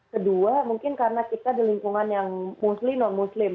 kedua mungkin karena kita di lingkungan yang muslim non muslim